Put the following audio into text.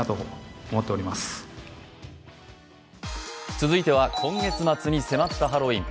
続いては今月末に迫ったハロウィーン。